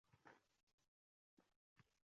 qing‘ir ishlarni dunyoga doston etish bo‘yicha